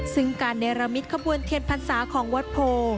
ซึ่งการเนรมิตขบวนเทียนพรรษาของวัดโพ